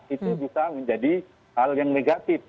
itu bisa menjadi hal yang negatif